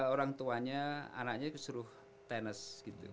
orang tuanya anaknya kesuruh tenis gitu